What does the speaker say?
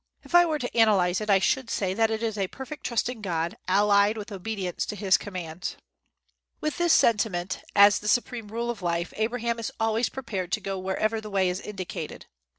If I were to analyze it, I should say that it is a perfect trust in God, allied with obedience to his commands. With this sentiment as the supreme rule of life, Abraham is always prepared to go wherever the way is indicated.